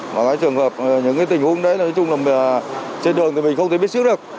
và cái trường hợp những tình huống đấy là trên đường thì mình không thể biết sức được